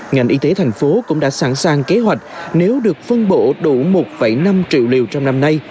ngành y tế thành phố cũng đã sẵn sàng kế hoạch nếu được phân bổ đủ một năm triệu liều trong năm nay